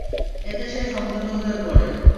এতে সে সংযত হয়ে পড়ে।